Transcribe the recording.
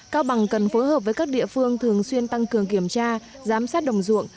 cao bằng cần phối hợp với các địa phương thường xuyên tăng cường kiểm tra giám sát đồng ruộng